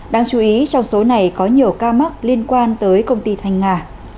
đáng chú ý trong số này có nhiều ca mắc liên quan tới công ty thanh nga